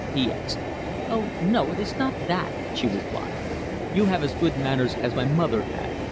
he asked. "Oh no, it is not that," she replied. "You have as good manners as my mother had.